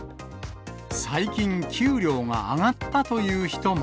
最近、給料が上がったという人も。